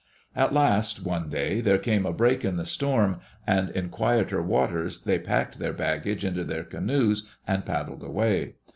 At last, one day, there came a break in the storm, and in quieter waters they packed their baggage into their canoes and paddled away.